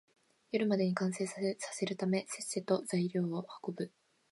夜までに完成させるため、せっせと材料を運ぶ